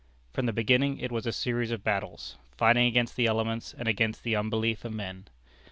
From the beginning it was a series of battles, fighting against the elements and against the unbelief of men.